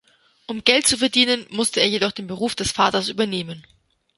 Um Geld zu verdienen, musste er jedoch den Beruf des Vaters übernehmen.